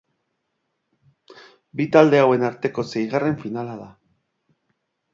Bi talde hauen arteko seigarren finala da.